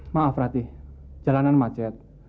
maaf ratih jalanan macet